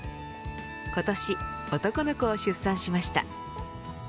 今年、男の子を出産しました。